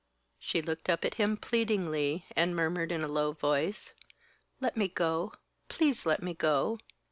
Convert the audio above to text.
She looked up at him pleadingly, and murmured in a low voice: "Let me go! Please let me go!"